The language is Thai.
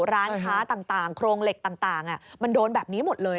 ร้านค้าต่างโครงเหล็กต่างมันโดนแบบนี้หมดเลย